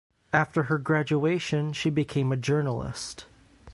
After her graduation she became a journalist.